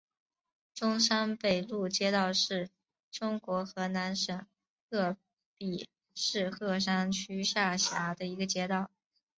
中山北路街道是中国河南省鹤壁市鹤山区下辖的一个街道。